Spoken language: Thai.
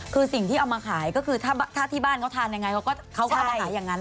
คือสิ่งที่เอามาขายก็คือถ้าที่บ้านเขาทานยังไงเขาก็เอามาขายอย่างนั้น